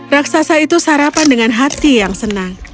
raksasa itu sarapan dengan hati yang senang